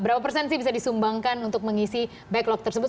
berapa persen sih bisa disumbangkan untuk mengisi backlog tersebut